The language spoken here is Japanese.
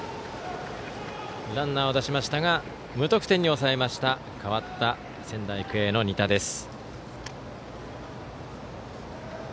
ランナーは出しましたが無得点に抑えました代わった仙台育英の仁田です。